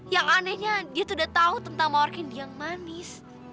yang anehnya dia tuh udah tau tentang mawarkindi yang manis